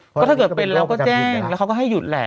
เพราะถ้าเกิดเป็นเราก็แจ้งแล้วเขาก็ให้หยุดแหละ